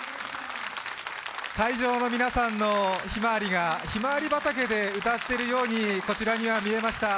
会場の皆さんのひまわりが、ひまわり畑が歌っているようにこちらには見えました。